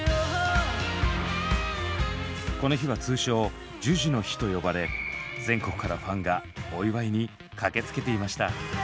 この日は通称「ＪＵＪＵの日」と呼ばれ全国からファンがお祝いに駆けつけていました。